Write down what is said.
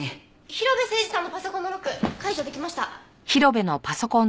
広辺誠児さんのパソコンのロック解除できました。